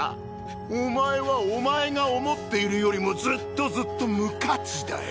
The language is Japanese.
お前はお前が思っているよりもずっとずっと無価値だよ。